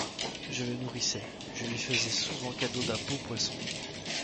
Je le nourrissais, je lui faisais souvent cadeau d’un beau poisson.